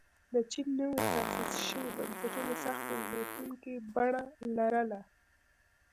د چین نویو تاسیس شویو بنسټونو سخته زبېښونکې بڼه لرله.